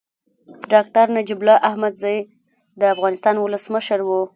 ډاکټر نجيب الله احمدزی د افغانستان ولسمشر و.